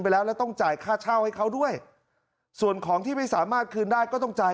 แล้วแล้วต้องจ่ายค่าเช่าให้เขาด้วยส่วนของที่ไม่สามารถคืนได้ก็ต้องจ่าย